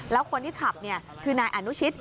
แล้วคนที่ขับคือนายอนุชิต